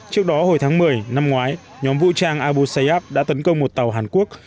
trước đó hồi tháng một mươi năm ngoái nhóm vũ trang abuseyab đã tấn công một tàu hàn quốc